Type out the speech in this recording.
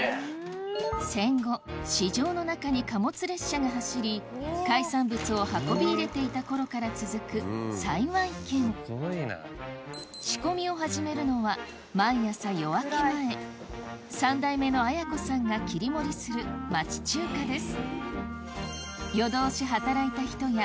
戦後市場の中に貨物列車が走り海産物を運び入れていた頃から続く幸軒仕込みを始めるのは毎朝夜明け前３代目のあや子さんが切り盛りする町中華です